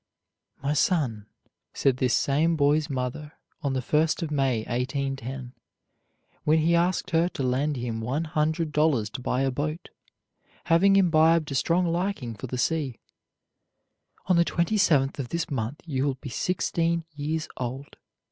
"My son," said this same boy's mother, on the first of May, 1810, when he asked her to lend him one hundred dollars to buy a boat, having imbibed a strong liking for the sea; "on the twenty seventh of this month you will be sixteen years old.